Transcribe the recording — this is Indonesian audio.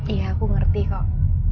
iya aku ngerti kok